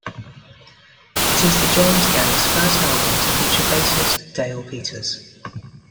It is the James Gang's first album to feature bassist Dale Peters.